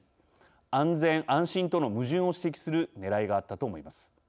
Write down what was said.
安全、安心との矛盾を指摘するねらいがあったと思います。